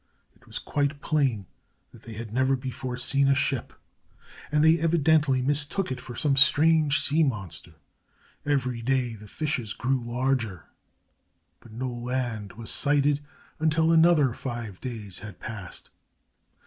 It was quite plain that they had never before seen a ship, and they evidently mistook it for some strange sea monster. Every day the fishes grew larger, but no land was sighted until another five days had passed.